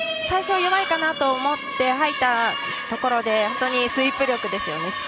最初、弱いかなと思って入ったところで本当にスイープ力ですよね。